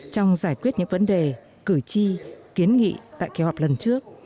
trong giải quyết những vấn đề cử tri kiến nghị tại kỳ họp lần trước